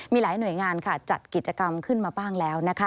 มีหลายหน่วยงานจัดกิจกรรมขึ้นมาบ้างแล้วนะคะ